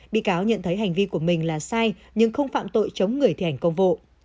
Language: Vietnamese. bị cáo nhận thấy hành vi của mình là sai nhưng không phạm tội chống người thành công vụ